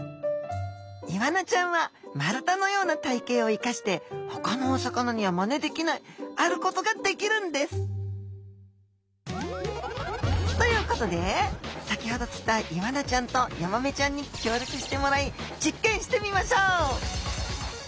イワナちゃんは丸太のような体形を生かしてほかのお魚にはまねできないあることができるんですということで先ほど釣ったイワナちゃんとヤマメちゃんに協力してもらい実験してみましょう！